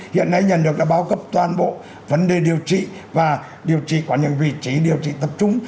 hiện nay nhà nước đã bao cấp toàn bộ vấn đề điều trị và điều trị có những vị trí điều trị tập trung